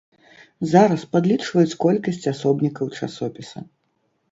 Зараз падлічваюць колькасць асобнікаў часопіса.